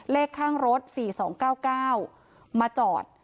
เลขข้างรถ๔๒๙๙มาจอด